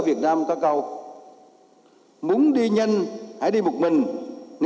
như nông nghiệp thực phẩm hàng tiêu dùng du lịch thay vì tình trạng phổ biến hiện nay